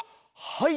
はい。